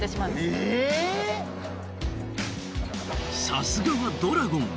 さすがはドラゴン！